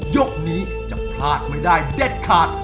ยกนี้จะพลาดไม่ได้เด็ดขาด